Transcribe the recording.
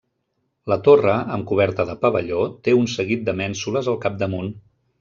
La torre, amb coberta de pavelló, té un seguit de mènsules al capdamunt.